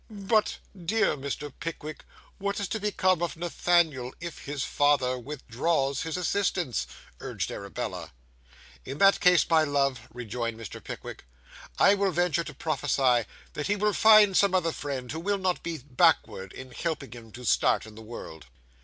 'But, dear Mr. Pickwick, what is to become of Nathaniel if his father withdraws his assistance?' urged Arabella. 'In that case, my love,' rejoined Mr. Pickwick, 'I will venture to prophesy that he will find some other friend who will not be backward in helping him to start in the world.